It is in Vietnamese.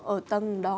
ở tầng đó